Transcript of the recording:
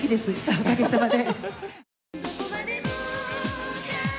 おかげさまで。